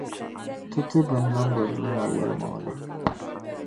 Ti ti binnamda Duuma yεlimaŋli.